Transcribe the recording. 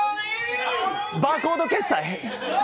バーコード決済？